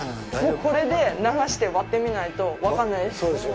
もうこれで流して割ってみないと分からないです。